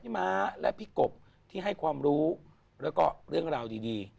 ม้าและพี่กบที่ให้ความรู้แล้วก็เรื่องราวดี